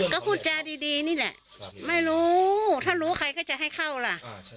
ก็พูดจาดีนี่แหละไม่รู้ถ้ารู้ใครก็จะให้เข้าล่ะ